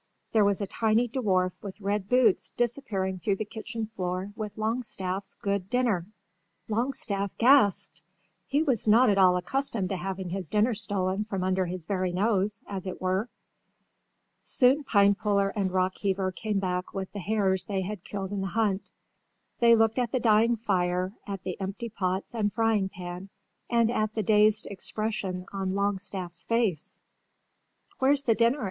There was a tiny dwarf with red boots disappearing through the kitchen floor with Longstaff's good dinner. Longstaff gasped. He was not at all accustomed to having his dinner stolen from under his very nose, as it were. Soon Pinepuller and Rockheaver came back with the hares they had killed in the hunt. They looked at the dying fire, at the empty pots and frying pan, and at the dazed expression on Longstaff's face. "Where's the dinner?"